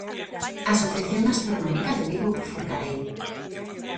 Asociación Astronómica de Vigo Forcarei.